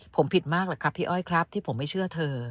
ผมผิดมากหรอกครับพี่อ้อยครับที่ผมไม่เชื่อเธอ